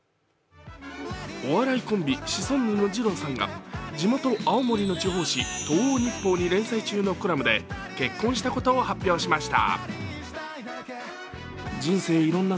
お笑いコンビ、シソンヌのじろうさんが地元・青森の地方紙「東奥日報」に連載中のコラムで結婚したことを発表しました。